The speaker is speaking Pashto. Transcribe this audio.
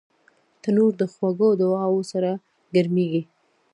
تنور د خوږو دعاوو سره ګرمېږي